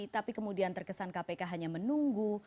tapi kemudian terkesan kpk hanya menunggu